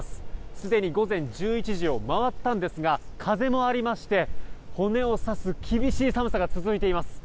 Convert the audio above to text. すでに午前１１時を回ったんですが風もありまして、骨を刺す厳しい寒さが続いています。